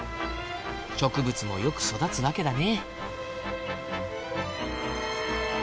植物もよく育つわけだね。